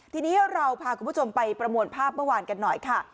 ทีนี้เราพาคุณผู้ชมไปประมวลภาพเมื่อวานกันหน่อยค่ะ